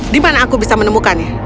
di mana aku bisa menemukannya